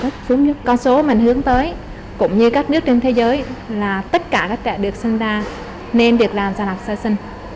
con số mình hướng tới cũng như các nước trên thế giới là tất cả các trẻ được sinh ra nên được làm sàng lọc sơ sinh